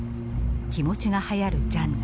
気持ちがはやるジャンヌ。